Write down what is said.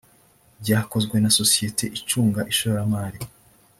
byakozwe na sosiyete icunga ishoramari